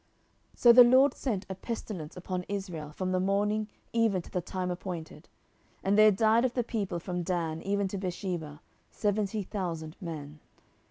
10:024:015 So the LORD sent a pestilence upon Israel from the morning even to the time appointed: and there died of the people from Dan even to Beersheba seventy thousand men.